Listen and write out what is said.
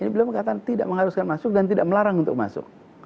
beliau mengatakan tidak mengharuskan masuk dan tidak melarang untuk masuk